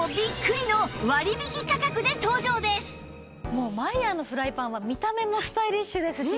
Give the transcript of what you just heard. もうマイヤーのフライパンは見た目もスタイリッシュですしね